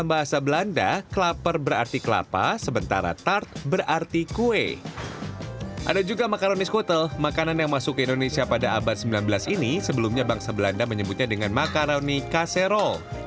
makanan makanan ini asalnya dari mana